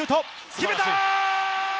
決めた！